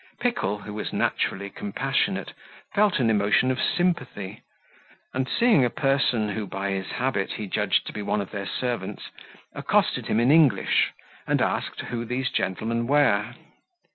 Pickle, who was naturally compassionate, felt an emotion of sympathy; and seeing a person, who by his habit he judged to be one of their servants, accosted him in English, and asked who the gentlemen were.